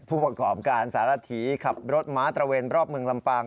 ผู้ประกอบการสารถีขับรถม้าตระเวนรอบเมืองลำปาง